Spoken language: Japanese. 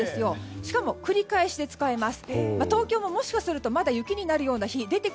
しかも繰り返して使えます。